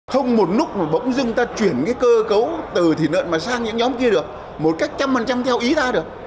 không một lúc mà bỗng dưng ta chuyển cơ cấu từ thịt lợn sang những nhóm kia được một cách trăm phần trăm theo ý ta được